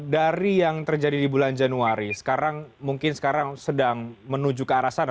dari yang terjadi di bulan januari sekarang mungkin sekarang sedang menuju ke arah sana